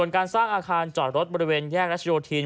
การสร้างอาคารจอดรถบริเวณแยกรัชโยธิน